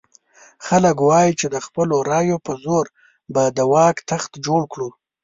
خلک وایي چې د خپلو رایو په زور به د واک تخت جوړ کړو.